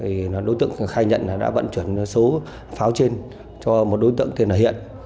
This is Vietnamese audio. đối tượng khai nhận đã vận chuyển số pháo trên cho một đối tượng thiền ở hiện